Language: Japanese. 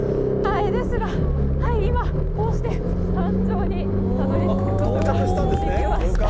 ですが、今、こうして山頂にたどりつくことができました。